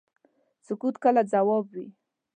سکوت کله ځواب وي.